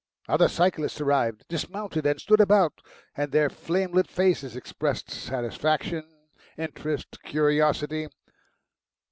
Other cyclists arrived, dismounted and stood about, and their flame lit faces expressed satisfaction, interest, curiosity.